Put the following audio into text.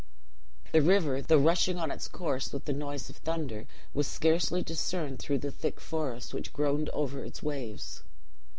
The river, though rushing on its course with the noise of thunder, was scarcely discerned through the thick forest which groaned over its waves.